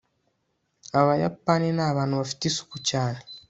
abayapani ni abantu bafite isuku cyane